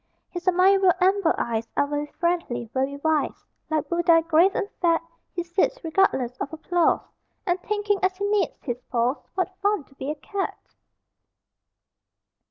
His amiable amber eyes Are very friendly, very wise; Like Buddha, grave and fat, He sits, regardless of applause, And thinking, as he kneads his paws, What fun to be a cat!